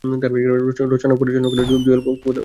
রচনা ও পরিচালনা করেছেন জোয়েল কোয়েন ও ইথান কোয়েন।